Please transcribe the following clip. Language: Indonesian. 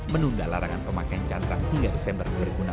menunda larangan pemakaian cantrang hingga desember dua ribu enam belas